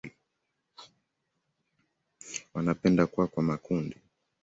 Wanapenda kuwa kwa makundi.